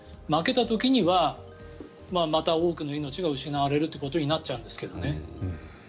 負けた時にはまた多くの命が失われるということになっちゃうんですけどね。